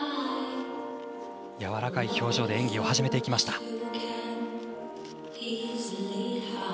やわらかい表情で演技を始めていきました。